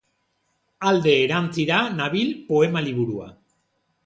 Alde erantzira nabil poema liburua.